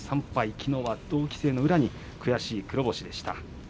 きのうは同期生の宇良に悔しい黒星でした。